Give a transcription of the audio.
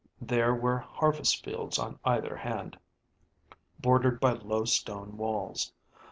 There were harvest fields on either hand, bordered by low stone walls.